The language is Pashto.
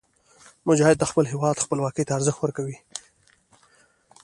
مجاهد د خپل هېواد خپلواکۍ ته ارزښت ورکوي.